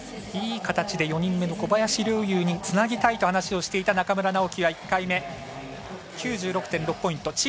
いい形で４人目の小林陵侑につなぎたいと話をしていた中村直幹は１回目、９６．６ポイント。